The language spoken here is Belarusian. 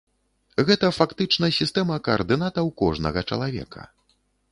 Гэта фактычна сістэма каардынатаў кожнага чалавека.